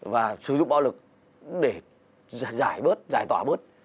và sử dụng bạo lực để giải bớt giải tỏa bớt